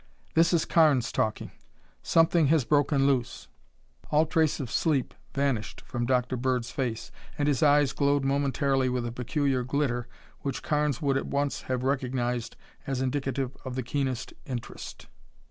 This is Carnes talking. Something has broken loose!" All trace of sleep vanished from Dr. Bird's face and his eyes glowed momentarily with a peculiar glitter which Carnes would at once have recognized as indicative of the keenest interest.